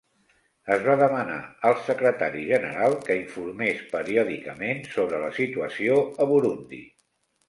Es va demanar al Secretari General que informés periòdicament sobre la situació a Burundi.